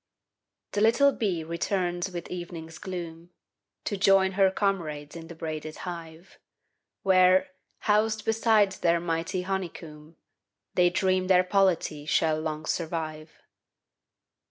The little bee returns with evening's gloom, To join her comrades in the braided hive, Where, housed beside their mighty honeycomb, They dream their polity shall long survive.